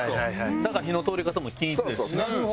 だから火の通り方も均一ですしね。